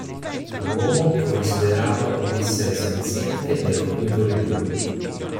L'uomo è considerato un essere senziente del quinto livello.